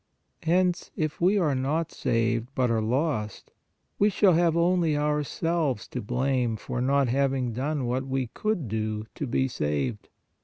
Hence if we are not saved, but are lost, we shall have only ourselves to blame for not having done what we could do to be saved.